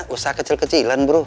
usaha kecil kecilan bro